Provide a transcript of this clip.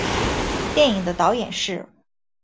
电影的导演是。